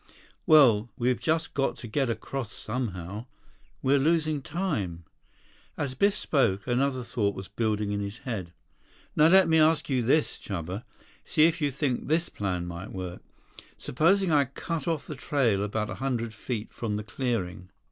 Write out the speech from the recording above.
"Well, we've just got to get across somehow. We're losing time." As Biff spoke, another thought was building in his head. "Now let me ask you this, Chuba. See if you think this plan might work. Supposing I cut off the trail about a hundred feet from the clearing.